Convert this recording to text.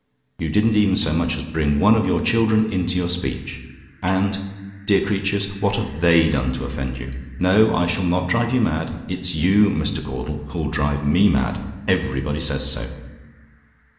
You didn't even so much as bring one of your children into your speech. And dear creatures! what have THEY done to offend you? No; I shall not drive you mad. It's you, Mr. Caudle, who'll drive me mad. Everybody says so.